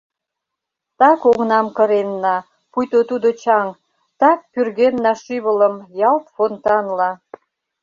Так оҥнам кыренна, пуйто тудо чаҥ, так пӱргенна шӱвылым ялт фонтанла.